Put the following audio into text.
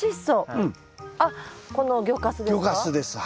あっこの魚かすですか？